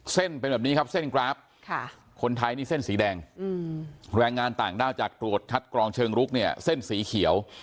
เส้นเป็นแบบนี้ครับเส้นกราฟคนไทยนี่เส้นสีแดงแรงงานต่างด้าวจากตรวจคัดกรองเชิงลุกเนี่ยเส้นสีเขียว